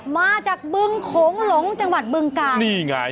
มาจากบึงโขงหลงจังหวัดบึงกาลนี่ไง